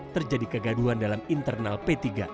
terjadi kegaduhan dalam internal p tiga